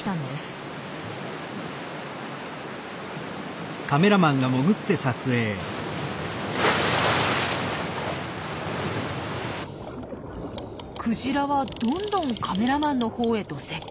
クジラはどんどんカメラマンのほうへと接近。